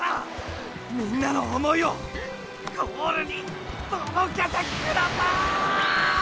みんなの想いをゴールに届けてください！